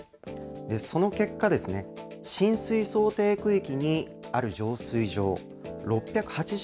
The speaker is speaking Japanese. その結果、浸水想定区域にある浄水場６８０